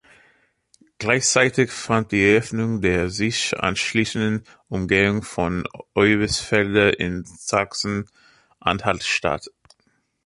Gleichzeitig fand die Eröffnung der sich anschließenden Umgehung von Oebisfelde in Sachsen-Anhalt statt.